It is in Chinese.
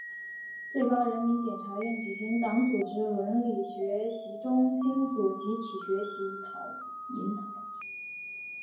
最高人民检察院举行党组理论学习中心组集体学习研讨